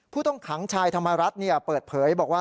ผู้ต้องขังชายธรรมรัฐเปิดเผยบอกว่า